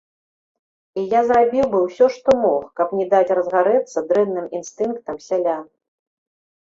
І я зрабіў быў усё, што мог, каб не даць разгарэцца дрэнным інстынктам сялян.